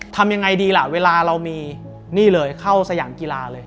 ทำยังไงดีล่ะเวลาเรามีนี่เลยเข้าสยามกีฬาเลย